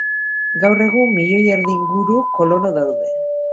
Gaur egun, miloi erdi inguru kolono daude.